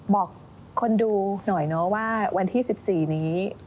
บอกคนดูหน่อยเนอะว่าวันที่๑๔นี้